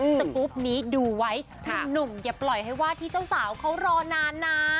สกรูปนี้ดูไว้หนุ่มอย่าปล่อยให้ว่าที่เจ้าสาวเขารอนานนะ